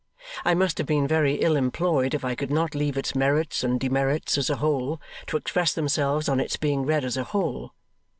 I must have been very ill employed, if I could not leave its merits and demerits as a whole, to express themselves on its being read as a whole.